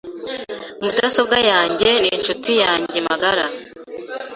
Mudasobwa yanjye ninshuti yanjye magara .